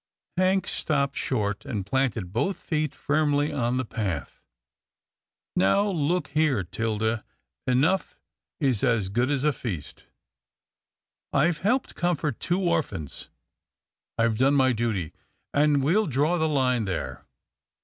Hank stopped short, and planted both feet firmly on the path. " Now look here, 'Tilda, enough is as good as a feast. I've helped comfort two orphans. I've done my duty, and we'll draw the line there."